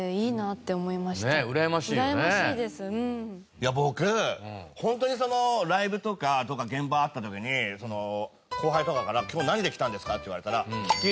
いや僕ホントにそのライブとか現場があった時に後輩とかから「今日何で来たんですか？」って言われたら「気球」